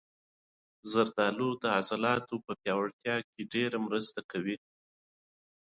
زردالو د عضلاتو پیاوړتیا کې مرسته کوي.